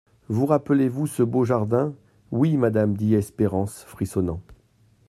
Vous rappelez-vous ce beau jardin ? Oui, madame, dit Espérance, frissonnant.